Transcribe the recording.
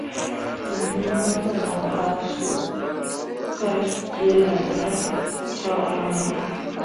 Wee ma təʼnah ka kyeera zah swah bəəra ya.